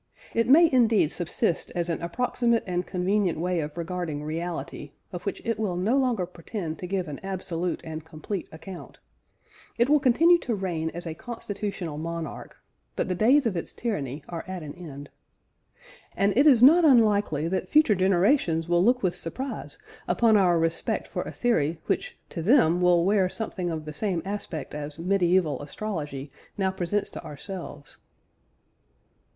It may indeed subsist as an approximate and convenient way of regarding reality, of which it will no longer pretend to give an absolute and complete account. It will continue to reign as a constitutional monarch, but the days of its tyranny are at an end. And it is not unlikely that future generations will look with surprise upon our respect for a theory which to them will wear something of the same aspect as medieval astrology now presents to ourselves.